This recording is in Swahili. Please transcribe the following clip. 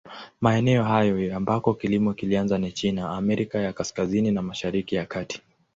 Maeneo haya ambako kilimo kilianza ni China, Amerika ya Kaskazini na Mashariki ya Kati.